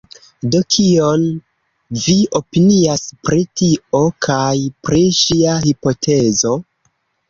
Do, kion vi opinias pri tio? kaj pri ŝia hipotezo?